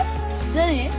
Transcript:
何？